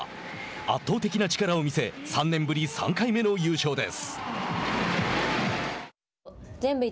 圧倒的な力を見せ３年ぶり３回目の優勝です。